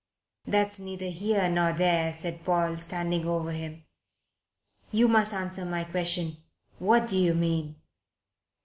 "That's neither here nor there," said Paul, standing over him. "You must answer my question. What do you mean?"